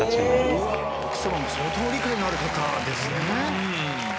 奥さまも相当理解のある方ですね。